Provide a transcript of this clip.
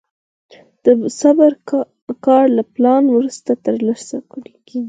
د صبر کار له پلان وروسته ترسره کېږي.